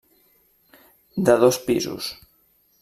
De dos pisos.